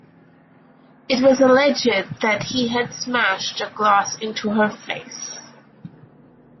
It was alleged that he had smashed a glass into her face.